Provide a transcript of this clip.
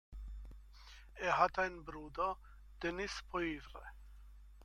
Er hatte einen Bruder, Denis Poivre.